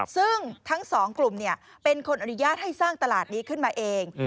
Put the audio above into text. ซึ่งทั้งสองกลุ่มเป็นคนอนุญาตให้สร้างตลาดนี้ขึ้นมาเอง